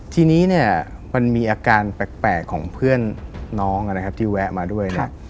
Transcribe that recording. ทีนี้มันมีอาการแปลกของเพื่อนน้องที่แวะมาด้วย